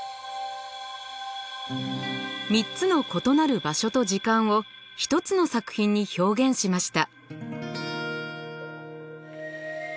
３つの異なる場所と時間を一つの作品に表現しました。